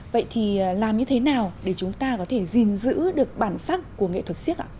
vậy thì làm như thế nào để chúng ta có thể gìn giữ được bản sắc của nghệ thuật siếc ạ